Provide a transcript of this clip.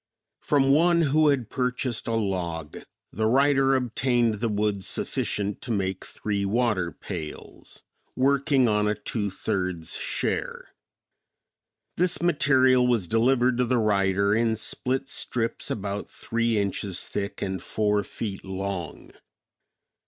From one who had purchased a log, the writer obtained the wood sufficient to make three water pails; working on a two thirds share. This material was delivered to the writer in split strips about three inches thick and four feet long.